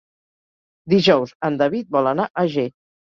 Dijous en David vol anar a Ger.